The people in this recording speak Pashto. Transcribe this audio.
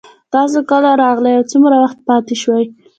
تاسو کله راغلئ او څومره وخت پاتې شوئ